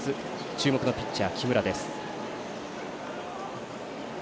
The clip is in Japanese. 注目のピッチャー、木村です。